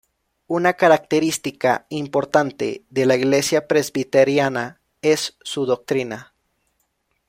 Una característica importante de la Iglesia presbiteriana es su doctrina.